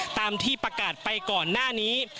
ตามที่ประกาศไปก่อนหน้านี้